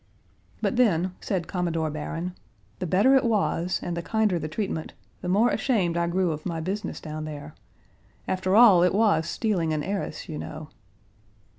But then, said Commodore Barron, "the better it was, and the kinder the treatment, the more ashamed I grew of my business down there. After all, it was stealing an heiress, you know."